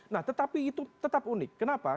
nah tetapi itu tetap unik kenapa